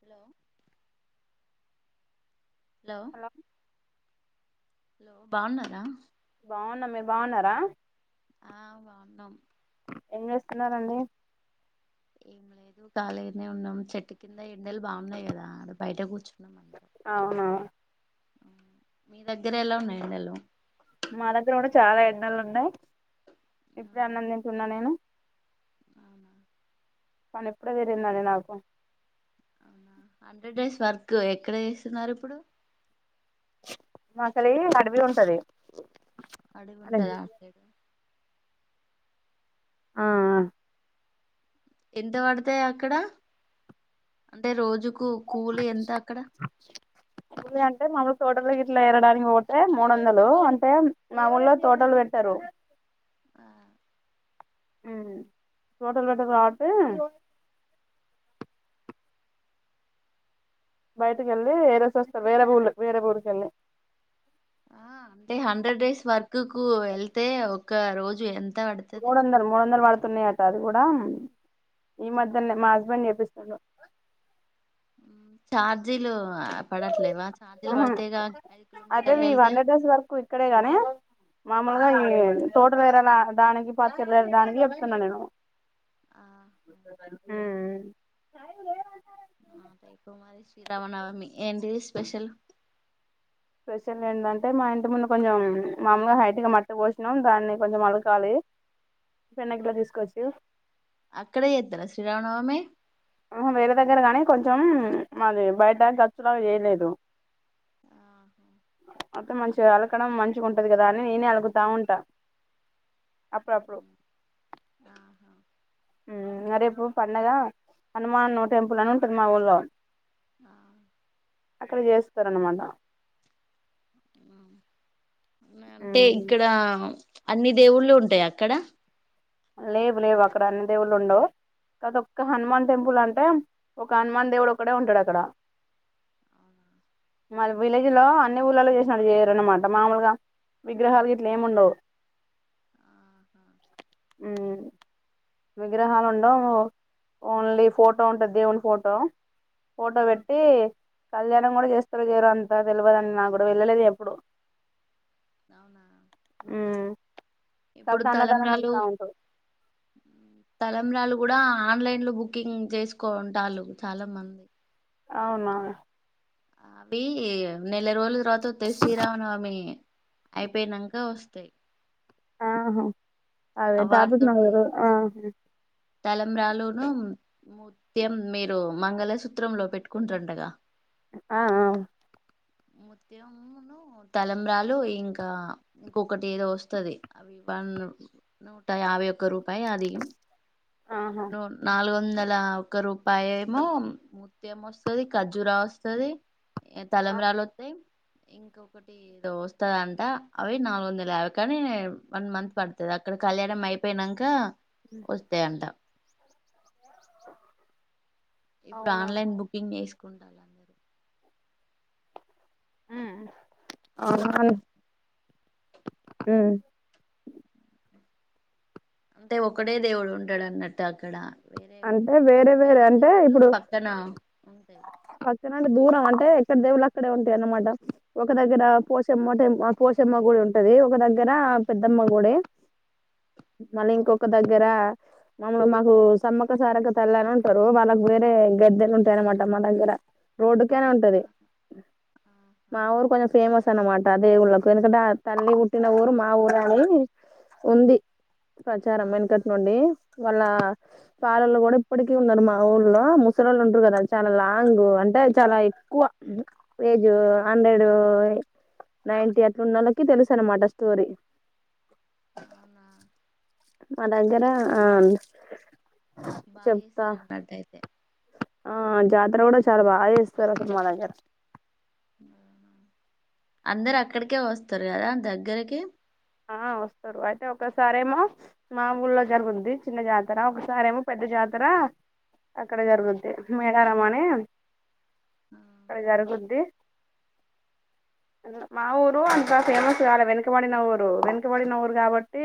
Hello hello hello బాగున్నారా బాగున్న మీరు బాగున్నారా ఆ బాగున్నాం ఏం చేస్తున్నారండి ఏం లేదు కాలీగానే ఉన్నాం చెట్టు కింద ఎండలు బాగున్నాయి కదా అ బయట కూర్చు అవున మీ దగ్గర ఎలా ఉన్నాయి ఎండలు మా దగ్గర కూడా చాలా ఎండలు ఉన్నాయి ఇప్పుడే అవునా అన్నం తింటున్న నేను అవునా పని ఇప్పుడే తీరిందండి నాకు అవునా హండ్రెడ్ డేస్ వర్క్ ఎక్కడ చేస్తున్నారు ఇప్పుడు మాకెలి అడవి ఉంటది అదే అడుగుంటాదా అటు సైడ్ ఆ ఎంత పడతాయి అక్కడ అంటే రోజు కూ కూలి ఎంత అక్కడ అంటే మాములు తోటలు గ ఇట్లా ఎరడానికి పోతే మూడు వందలు అంటే మా ఊళ్ళో తోటలు పెదుత్తరు ఆ తోటల్ వేటకు [unintelligible] బయటకి వెళ్ళి ఏరేసి వస్తా వేరే ఊరూ వేరే ఊరికి వెళ్ళి ఆ అంటే హండ్రెడ్ డేస్ వర్క్ కు వెళ్తే ఒక రోజు ఎ మూడు వందలు మూడు వందలు పడు తున్నాయట అది కూడా ఈ మధ్యనే మా హస్బెండ్ చేపిస్తుండు ఛార్జీలు పడట్లేవా ఛార్జీలు ఉహు పడితేగా ఐదు అయితే కిలోమీటర్లు మీ వెళ్తే హండ్రెడ్ డేస్ వర్క్ ఇక్కడే గానీ మామూలుగా ఈ తోట వేరే దానికి పత్తులు వేరే దానికి చెప్తున్నా నేను ఆ ఉమ్ ఆ రేపు మరి శ్రీరామనవమి ఏంటిది స్పెషల్ స్పెషల్ ఏంటంటే మా ఇంటి ముందు కొంచెం మామలుగా హైట్గా మట్టి పోసినాం దాన్ని కొంచెం అలకాలి పెండ గిట్ల తీసుకోవచ్చు అక్కడే చేస్తారా శ్రీరామనవమి వేరే దగ్గర గాని కొంచెం మాది బయట గచ్చులాగా చేయలేదు ఆ అంత మంచిగా అలకడం మంచిగా ఉంటది కదా అని నేనే అలుకుతా ఉంటా అప్పుడప్పుడు ఆహా రేపు పండుగా హనుమాన్ నూ టెంపుల్ అని ఉంటుంది మా ఊళ్లో ఆ అక్కడ చేస్తారన్నమాట అంటే ఇక్కడ అన్ని దేవుళ్ళు ఉంటాయా అక్కడ లేవు లేవు అక్కడ అన్ని దేవుళ్ళు ఉండవు ఒక్క హనుమాన్ టెంపుల్ అంటే ఒక హనుమాన్ దేవుడు ఒక్కడే ఉంటాడు అక్కడ అవునా మా విలేజ్ లో అన్ని ఊళ్ళలో చేసినట్టు చేయరున్నమాట మామూలుగా విగ్రహాలు గిట్లా ఏముండవు ఆహా విగ్రహాలు ఉండవు ఓన్లీ ఫోటో ఉంటది దేవుని ఫోటో ఫోటో పెట్టి కళ్యాణం కూడా చేస్తారో చెయ్యరో అంతా తెలువదండి నాకు కూడా వెళ్ళలేదు ఎప్పుడు అవునా ఉమ్ ఇప్పుడు తలంబ్రాలు తల కూడా ఆన్లైన్ లో బుకింగ్ చేసుకుంటాళ్లు చాలా మంది అవునా అవి నెల రోజుల తర్వాత వస్తాయి శ్రీరామనవమి అయిపోయినంక వస్తాయి ఆహా అదే తాపించు నాకు తెలవదు ఆ తలబ్రాలును ముత్యం మీరు మంగళసూత్రంలో పెట్టుకుంటారంటగా ఆఆ ముత్యమును తలబ్రాలు ఇంకా ఇంకొకటి ఏదో వస్తుది అవి యాభై ఒక్క రూపాయి అది ఆహా, నాలుగు వందల ఒక రూపాయ ఏమో ముత్యం వస్తది ఖర్జూర వస్తది ఇగా తలంబ్రాలు వస్తాయి ఇంకొకటి ఏదో వస్తదంట అవి నాలుగు వందలు యాబై కానీ వన్ మంత్ పడుతుది అక్కడ కళ్యాణం అయిపోయినంక వస్తాయి అంట ఇప్పుడు అవునా ఆన్లైన్ బుకింగ్ చేసుకుంట హుమ్ ఉమ్ అంటే ఒకడే దేవుడు ఉంటడు అన్నట్టు అక్కడ వేరే అంటే వేరే వేరే అంటే దేవుళ్ళు ఇప్పుడు పక్కన ఉంటాయి పకన అంటే దూరం అంటే అంటే ఎక్కడ దేవులు అక్కడే ఉంటాయి అనమాట ఒక దగ్గర ఆహా పోచమ్మ టెంప్ మా పోషమ్మ గుడి ఉంటది ఒక దగ్గర పెద్దమ్మ గుడి మళ్ళీ ఇంకొక దగ్గర మమ్మని మాకు సమ్మక సారక తల్లని ఉంటారు వాళ్ళకి వేరే గద్దెలు ఉంటాయనమాట మా దగ్గర రోడ్డుకేనే ఉంటది ఆహా మా ఊరు కొంచెం ఫేమస్ సే అనమాట దేవుళ్ళలకు ఎందుకంటే ఆ తల్లి పుట్టిన ఊరు మా ఊరు అని ఉంది ప్రచారం అవునా వెనుకటి నుండి వాళ్ళ పాలలు కూడా ఇప్పటికీ ఉన్నారు మా ఊళ్లో ముసరళ్ళు ఉంటారు కదా చాలా లాంగ్ అంటే చాలా ఎక్కువ ఏజ్ హండ్రెడ్ నైన్టీ అట్లు ఉన్నళ్ళకి తెలుసు అనమాట స్టోరీ అ మ దగర ఆమ్ బా చేస్తారు అన్నట్టు అయితే ఆ జాతర కూడా చాలా బాగా చేస్తారు అసలు మా దగ్గర అందరు అక్కడికే వస్తారు కదా దగ్గరకి ఆ వస్తారు అయితే ఒకసారేమో మా ఊళ్ళలో జరుగుంది చిన్న జాతర ఒకసారేమో పెద్ద జాత్ జాతర అక్కడ జరుగుద్ది మేడారమణి అక్కడ ఆహా జరుగుంది మా ఊరు అంత ఫేమస్ కాలే వెనకబడి నా ఊరు డు వెనుకబడిన ఊరు కాబట్టి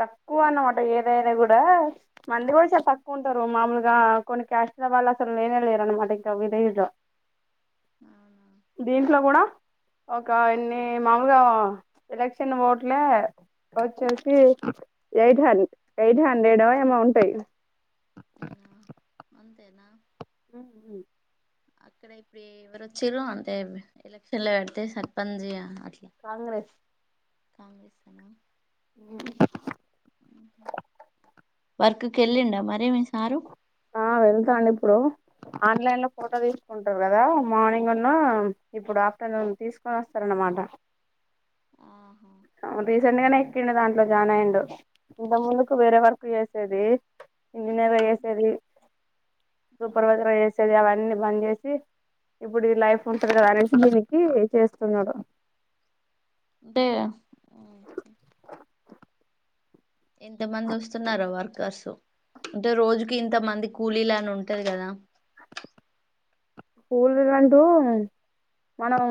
తక్కువ అన్నమాట ఏదైనా కూడా మంది కూడా చాలా తక్కువ ఉంటారు మామూలుగా కొన్ని క్యాష్ వళు అసలు లేనే లేరు మటటికి విలేజ్ అవునా దీంట్లో కూడా ఒక ఇన్ని మామూలుగా ఏక్ చిన్న ఓట్ల లే వచ్చేసి ఎయిట్ హండ ఎయిట్ హండ్రెడ్ ఏమౌంటాయి ఆ అంతేనా ఉ అక్కడ ఇప్పుడు ఎవరు వచ్చారు అంటే ఎలక్షన్ లో పెడితే సర్పంచ్ అట్లా కాంగ్రెస్ కాంగ్రెస్ నా వర్ ఇకెళ్ళిండా మరే మీ సారు ఆ వెళ్తాండు ఇప్పుడు ఆన్లైన్ లో ఫోటో తీసుకుంటారు కదా మార్నింగ్న్న ఇప్పుడు ఆఫ్టర్నూన్ తీసుకొని వస్తారన్నమా మాట ఆహా రీసెంట్ గానే ఎక్క్కండు దాంట్లో జాన్ అయిండు ఇంత ముందుకు వేరే వర్కు చేసేది ఇంజనీర్ చేేసేది సూపర్ అవునా వైజరా వేసేది అవన్నీ బంద్ చేసి ఇప్పుడు ఈ లైఫ్ ఉంటడు కదా అనేసి దీనికి చేస్తున్నాడు అంటే ఉ ఎంత మంది వస్తున్నారుో వర్కర్సు అంటే రోజుకి ఇంత మంది కూలీలు అని ఉంటది కదా పోూల్ రంట మనం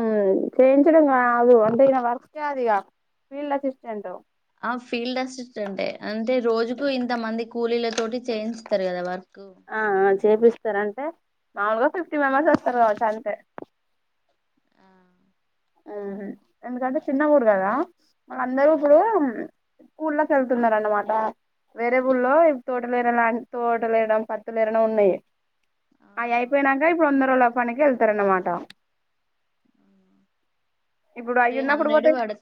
చేయించడం కాదు అంటేన వర్క్ కాదు ఇగ ఫీల్డ్ అసిస్టెంట్ ఆ ఫీల్డ్ అస్ట్ అంటే అంటే రోజుకు ఇంత మంది కూలీల తోటి చేయించుతారు కదా వర్క్ కు ఆ చేపిస్తారంటే మామూలుగా ఫిఫ్టీ మెంబర్స్ వస్తారు కావచ్చు అంతే ఆ మ్మ్ హ్ ఎందుకంటే చిన్న ఊరు కదా వాళ్ళందరూ అవును ఇప్పుడు హ్మ్ స్కూల్లో చదువుతున్నార అనమాట వేరే ఊళ్లో ఇ తోటలేరనన్ తోట లేరడం పత్తు లేరడం ఉన్నాయి అయి ఆహా అయిపోయినాక ఇప్పుడు వందరులో పనికి వెళ్తారా అన్నమాట అవునా అవి త్రీ ఉన్నప్పుడు హండ్రెడ్ పోతే పడుత్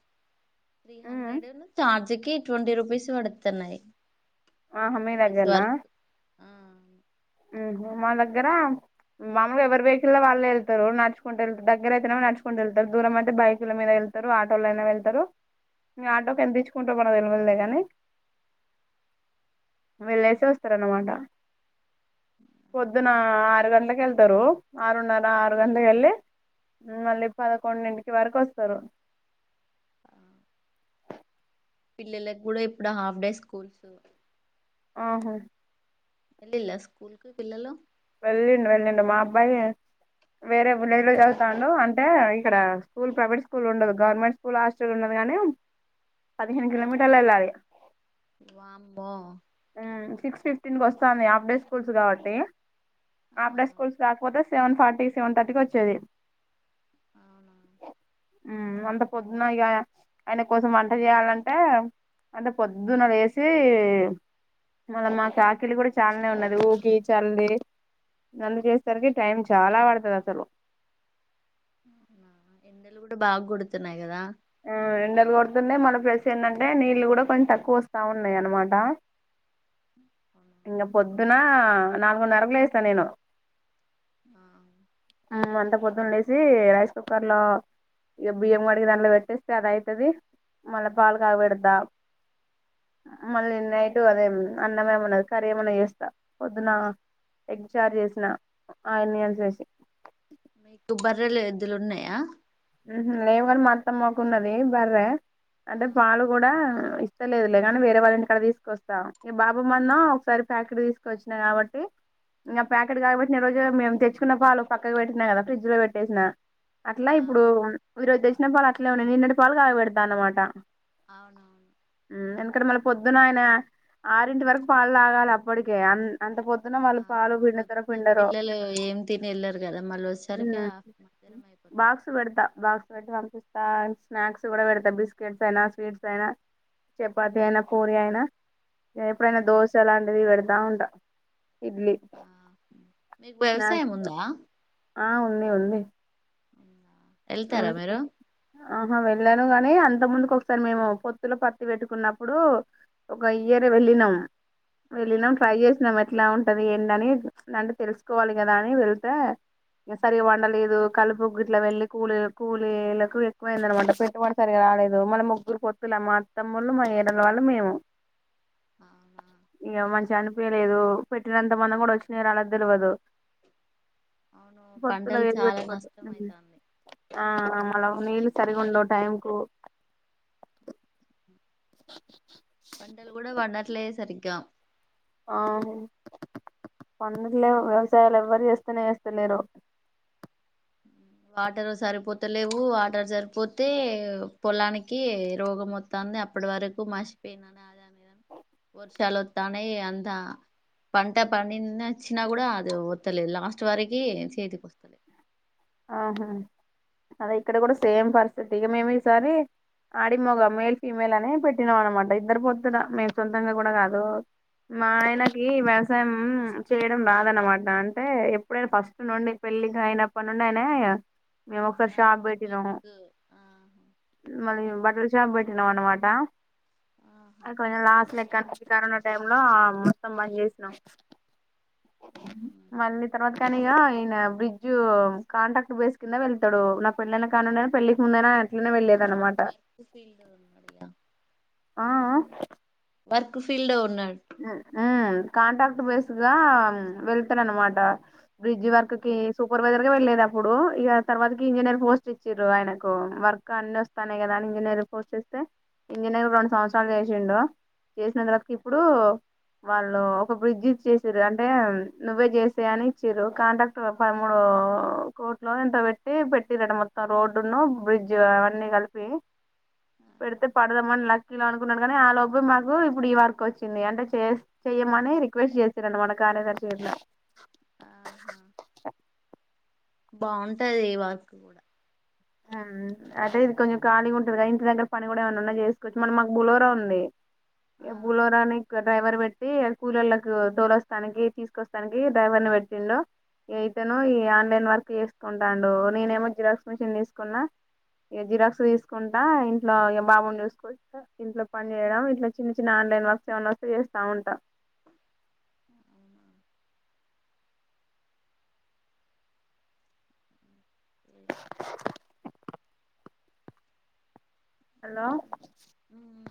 త్రీ హండ్రెడును చార్జ్కి ట్వంటీ రుపీస్ త్ పడుతున్నాయి ఆహా మీ హండ్రెడ్ డేస్ దగ్గరనా వర్క్ ఆ ఉహు మా దగ్గర మామలుగా ఎవరు వెహికల్ల్లో వాళ్ళు వెళ్తారు నడుచుకుంట వెళ్తారు. దగ్గరైతేనేమో నడుచుకుంటూ వెళ్తారు. దూరం అయితే బైకుల మీద వెళ్ త్తారు ఆటో లైన వెళ్తారు ఇంగ ఆటోకి ఎంత ఇచ్చుకుంటారో మనకు తెలువదులేగాని వెళ్ళేసి వస్తారన్నమాట పొద్దున ఆరు గంటలకి వెళ్తారు ఆరున్నర ఆరు గంటలకి వెళ్ళి మళ్ళీ పదకొండుడింటికి వరకు వస్తారు పిల్లలకి కూడా ఇప్పుడు హాఫ్ డే స్కూల్స్ ఆహ్ వెళ్ళిల్లా స్కూల్ కి పిల్లలు వెళ్ళిండు వెళ్ళిండు మా అబ్బాయి వేరే విలేజ్ లో చదువుతాండు అంటే ఇక్కడ స్కూల్ ప్రైవేట్ స్కూల్ ఉండదు, గవర్నమెంట్ స్కూల్ హాస్టల్ ఉన్నది కానేం పదిహేను కిలోమీటర్లు ఎల్లాలి వామ్మో సిక్స్ ఫిఫ్టీన్ కి వస్తాంది ఆఫ్ డే స్కూల్స్ కాబట్టి ఆఫ్ ఆ డే స్కూల్స్ కాకపోతే సెవెన్ ఫార్టీ సెవెన్ థర్టీకి వచ్చేది అవునా ఉమ్ అంత పొద్దున ఇగ ఆయన కోసం వంట చేయాలంటే అంటే పొద్దున లేసి మళ్ళ మాకి ఆకిలి కూడా చాలానే ఉన్నది ఊకి చల్లి అన్నీ చేసేసరికి టైం చాలా పడుతది అసలు అవునా ఎండలు కూడా బాగుకొడుతున్నాయి కదా ఆ ఎండలు కొడుతుండయ్ మళ్ళ ఫ్లస్ ఏందంటే నీళ్లు కూడా కొంచెం తక్కువ వస్తా ఉన్నాయి అనమాట అవునా ఇంగ పొద్దున నాలుగున్నరకు లేస్తా నేను ఉమ్ అంత పొద్దున లేసి రైస్ కుక్కర్ లో ఇగ బియ్యం కడిగి దాన్లో పెట్ తెస్తారా అయితది మళ్ళా పాల్ పాల్ కాగా పెడదా అ మళ్ళీ నైట్ అదే మ్ అన్నమే ఉన్నది. కర్రీ ఏమన్నా చేస్తా పొద్దున ఎగ్ చార్ చేస్న ఆయన్నియన్ చేసి మీకు బర్రెలు ఎద్దులు ఉన్నాయా ఉహుమ్ లేవని మా అత్తమ్మకు ఉన్నది బర్రే అంటే ఆహా పాలు కూడా ఇస్తలేదులే కానీ వేరే వాళ్ళ ఇంటికాడ తీసుకొస్తాం ఈ బాబు మొన్న ఒకసారి ప్యాకెట్ తీసుకు వచ్చినా కాబట్టి ఇంగా పాకెట్ కాగాబెట్టిన రోజే మేము తెచ్చుకున్న పాలు పక్కకు పెట్టినా కదా ఫ్రిడ్జ్ లో పెట్టేసిన అట్లా ఆ ఇప్ హ్ ఈ రోజు తెచ్చిన పాలు అట్లే ఉండనియి నిన్నటి పాలు కాగ పెడుత అన్నమాట అహ్ అవునవును హ్మ్ ఎందుకంటే మళ్ళే ప్ పొద్దున ఆయిన ఆరింటి వరకు పాలు తాగాలి అప్పటికే అన్ అంత పొద్ ఆ పొద్దున పిల్లలు ఏం తిని వెళ్ళారు కదా మళ్ళ వచ్చేసరికే ఆప్మా మ్ బాక్స్ పేడ్ డ్తా బాక్స్ పెట్టి పంపిస్తా అండ్ స్నాక్స్ కూడా పెడతా బిస్కెట్స్ అయినా, స్వీట్స్ తో అయినా చపాతి అయినా పూరి అయినా ఆ ఎప్పుడైనా దోశ లాంటిది పెడతా ఉంటా ఇడ్లీ ఆ మీకు వ్యవసాయం స్నాక్స్సు ఉందా ఆ ఉంది ఉంది ఎళ్తారా ఉంది. మీరు ఆహా వెళ్ళాను గాని అంత ముందుకు ఒకసారి మేము పొత్తులో పత్తి పెట్టుకున్నప్పుడు ఒక ఇయర్ వెళ్ళినాం ఆ వెళ్ళినాం ట్రై చేసినాం ఇట్లా ఉంటది ఏంట అని నంటే తెలుసుకోవాలి కదా అని వెళతే సరి వండలేదు కలుపు ఇట్లా వెళ్ళి కూలీల కూలీలకు ఎక్కువయిందనమాట పెట్టుబడి సరిగ రాలేదు మళ్ళి ముగ్గురి పొత్తుల మా అత్తమ్మోలు మా ఏరలు వాళ్ళు మేము అవునా ఇక మంచిగ అనిపియలేదు పెట్టినంత మన కూడా వచ్చినయో రాలేదో తెలవదు అవును పొత్తుల పంటలు ఏది చాలా పెట్టుకోవదు నష్టం అయితాంది ఊ ఆ మళ నీళ్లు సరిగ ఉండవు టైం కు [unintelligible] పంటలు కూడా పండట్లే సరిగా ఆవు పండట్లేవు వ్యవసాయాలు ఎవ్వరు చేస్తేనే చేస్తలేరు ఊ వాటరు సరిపోత లేవు వాటర్ సరిపోతే పొలానికి రోగం మొత్తాంది అని అప్పుడు వరకు మాశిపోందని అదని ఇదని వర్షాలు వతనయి ఇగ అంతా పంట పండినచ్చినా కూడా అది వత్తలేదు లాస్ట్ వరకి చేతికి వస్తది ఆహా అదే ఇక్కడ కూడా సేమ్ పరిస్థితి ఇక మేము ఈ సారి ఆడి మోగ మేల్ ఫీమేల్ అనే పెట్టినాం అనమాట ఇద్దరు పొత్తుల మేము సొంతంగా కూడా కాదు మా ఆ ఆయనకి వ్యవసాయం చేయడం రాదనమాట అంటే ఎప్పుడైనా ఫస్ట్ నుండి పెళ్ళి అయినప్పడి నుండి అయినా ఆహా వర్కు ఆ మళ్ళీ బట్టల షాప్ పెట్టినం అనమాట ఆహా అది కొంచెం లాస్ట్ లెక్కని కరోనా టైమ్ లో మొత్తం బంద్ చేసినాం ఉమ్. మళ్ళీ తర్వాత కానీ ఈయన బ్రిడ్జ్ బ్రిడ్జు కాంట్రాక్ట్ బేస్ కింద వెళ్తాడు నా పెళనా కానుండైనా పెళ్లికి ముందైనా అట్లనే వెళ్లేది వర్క్ ఫీల్డ్ లో ఉన్నడిగ ఆ ఆ వర్క్ ఫీల్డ్ లో ఊ ఊ కాంట్రాక్ట్ బేస్గా వెళ్తాడనమాట బ్రిడ్జ్ వర్క్ కి సూపర్ వైజర్ ఇగ వెళ్లేదు అప్పుడు ఇగ తర్వాత కి ఇంజనీర్ పోస్ట్ ఇచ్చిరు ఆయనకు వర్క్ అన్ని వస్తా కదా ఇంజనీర్ గ పోస్ట్ ఇస్తే ఇంజనీర్ రెండు సంవత్సరాలు చేసిండు చేసినందరకు ఇప్పుడు వాళ్ళు ఒక బ్రిడ్జ్ ఇచ్చేసిరు అంటే నువ్వే చేసెయ్ అని ఇచ్చిరు కాంట్రాక్టర్ పదమూడు ఓ కోట్లో ఎంతో పెట్టి పెట్టిరట మొత్తం రోడ్డును బ్రిడ్జ్ అవన్నీ కలిపి పెడితే పడదామని లక్కీలు అనుకున్నాడు కానీ ఆ లోపె మాకు ఇప్పుడు ఈ వర్కు వచ్చింది చింది అంటే చెస్ చెయ్యమని రిక్వెస్ట్ చేసిరనమాట కార్యదర్శి గిట్ల ఆహా బాగుంటది వర్కు కూడా ఊ అయితే ఇది కొంచెం ఖాళీ ఉంటది కదా ఇంటి దగ్గర పని కూడా ఏమన ఉన్నా చేసుకోవచ్చు మరి మాకు బులోరా ఉంది ఇగ ఆహా బులోరా నికర్ డ్రైవర్ పెట్టి కూలలకు దోలస్తానికి తీసుకొస్తానికి డ్రైవర్ ని పెట్టిండు ఈ ఇతను ఈ ఆన్లైన్ వర్క్ చేసుకుంటడు నేనేమో జిరాక్స్ మిషిన్ తీసుకున్నా ఇక జిరాక్స్ తీసుకుంటా ఇంట్లో ఇగ బాబును చూసుకో ఇంట్లో పని చేయడం ఇట్ల చిన్న చిన్న వర్క్స్ ఏమనా వస్తే చేస్తా ఉంటా [unintelligible] హలో ఉహూహ్